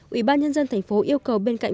ủy ban nhân dân tp hcm yêu cầu bên cạnh